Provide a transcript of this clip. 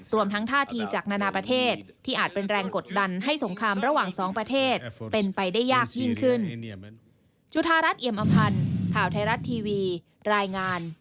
รวมทั้งท่าทีจากนานาประเทศที่อาจเป็นแรงกดดันให้สงครามระหว่างสองประเทศเป็นไปได้ยากยิ่งขึ้น